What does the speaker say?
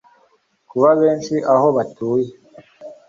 kuba benshi aho batuye